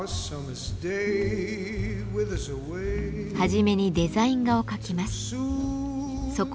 初めにデザイン画を描きます。